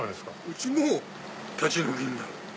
うちも立ち退きになる。